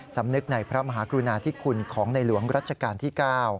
สำนึกในพระมหากรุณาธิคุณของในหลวงรัชกาลที่๙